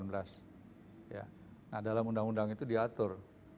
nah dalam undang undang itu diatur